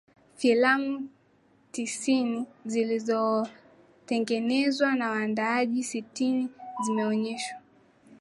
Filamu tisini zilizotengenezwa na waandaaji sitini zimeoneshwa